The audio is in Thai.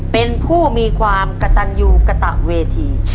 เป็นผู้มีความกระตันยูกระตะเวที